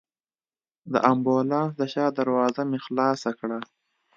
د امبولانس د شا دروازه مې خلاصه کړل.